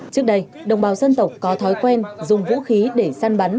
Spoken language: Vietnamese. trước đây đồng bào dân tộc có thói quen dùng vũ khí để săn bắn